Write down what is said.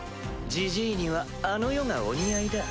ジジイにはあの世がお似合いだ。